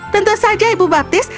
tentu saja ibu baptis